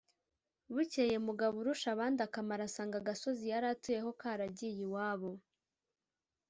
bukeye mugaburushabandakamaro asanga agasozi yari atuyeho karagiye iwabo.